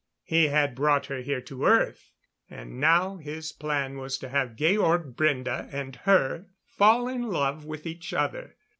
He had brought her here to Earth; and now his plan was to have Georg Brende and her fall in love with each other.